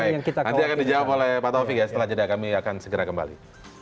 nanti akan dijawab oleh pak taufik ya setelah jeda kami akan segera kembali